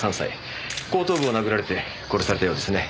後頭部を殴られて殺されたようですね。